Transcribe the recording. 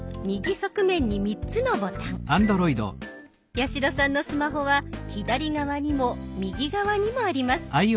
八代さんのスマホは左側にも右側にもあります。